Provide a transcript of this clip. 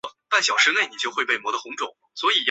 宋仁宗母亲章懿李皇后弟弟李用和次子。